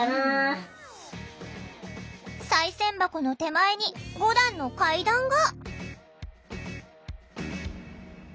さい銭箱の手前に５段の階段が。